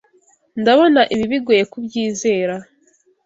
Ndabona ibi bigoye kubyizera.